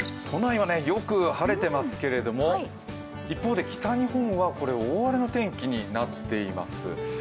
都内はよく晴れていますけれども一方で北日本は大荒れの天気になっています。